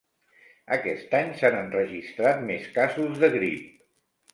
Aquest any s'han enregistrat més casos de grip.